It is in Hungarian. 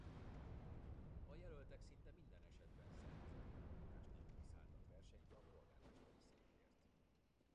A jelöltek szinte minden esetben szervezeti támogatás nélkül szálltak versenybe a polgármesteri székért.